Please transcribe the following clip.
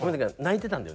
泣いてたの？